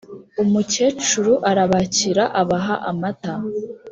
umukecuru arabakira abaha amata,